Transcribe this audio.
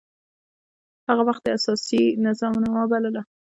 هغه وخت يي اساسي نظامنامه بلله.